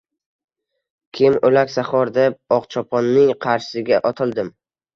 – Kim o‘laksaxo‘r?! – deb Oqchoponning qarshisiga otildim